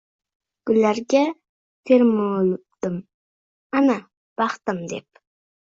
Gullarga termuldim: “Ana, baxtim!” – deb.